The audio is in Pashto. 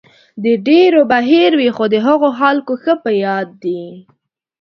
د ډېرو به هېر وي، خو د هغو خلکو ښه په یاد دی.